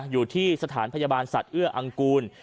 อยู่ที่สถานพยาบาลสัตว์เอื้ออังกูล